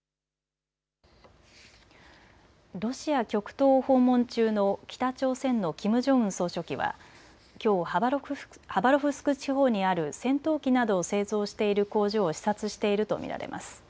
ロシア極東を訪問中の北朝鮮のキム・ジョンウン総書記はきょうハバロフスク地方にある戦闘機などを製造している工場を視察していると見られます。